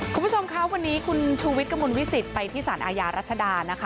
คุณผู้ชมคะวันนี้คุณชูวิทย์กระมวลวิสิตไปที่สารอาญารัชดานะคะ